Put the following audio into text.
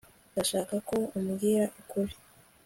ndashaka ko umbwira ukuri